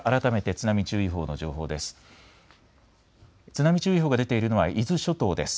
津波注意報が出ているのは伊豆諸島です。